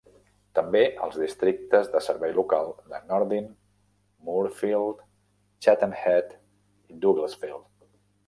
També els districtes de servei local de Nordin, Moorefield, Chatham Head i Douglasfield.